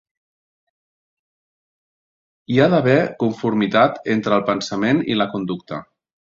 Hi ha d'haver conformitat entre el pensament i la conducta.